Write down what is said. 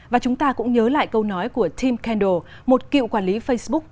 và chúng ta cũng nhớ lại câu nói của tim kendall một cựu quản lý facebook